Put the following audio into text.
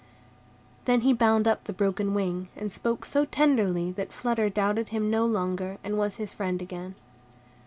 Then he bound up the broken wing, and spoke so tenderly that Flutter doubted him no longer, and was his friend again.